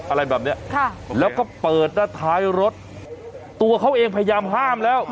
อะไรแบบเนี้ยค่ะแล้วก็เปิดหน้าท้ายรถตัวเขาเองพยายามห้ามแล้ว